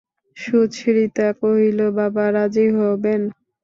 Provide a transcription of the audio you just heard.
সুচরিতা কহিল, বাবা রাজি হবেন।